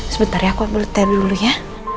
sebentar ya aku ambil teh dulu ya